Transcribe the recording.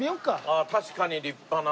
ああ確かに立派な。